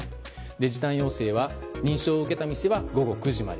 時短要請は認証を受けた店は午後９時まで。